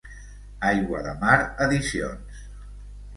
Aigua de Mar Edicions.